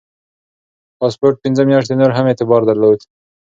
پاسپورت پنځه میاشتې نور هم اعتبار درلود.